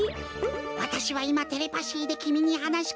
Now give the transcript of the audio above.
わたしはいまテレパシーできみにはなしかけている。